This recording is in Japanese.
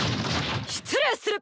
失礼する！